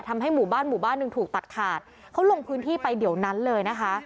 หมู่บ้านหมู่บ้านหนึ่งถูกตัดขาดเขาลงพื้นที่ไปเดี๋ยวนั้นเลยนะคะ